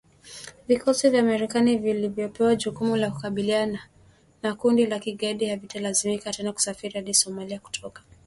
Vikosi vya Marekani vilivyopewa jukumu la kukabiliana na kundi la kigaidi havitalazimika tena kusafiri hadi Somalia kutoka nchi jirani .